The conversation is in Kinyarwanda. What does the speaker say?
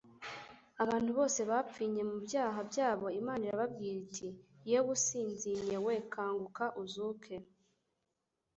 Abantu bose bapfinye mu byaha byabo, Imana irababwira iti: «Yewe usinzinye we, kanguka uzuke'.»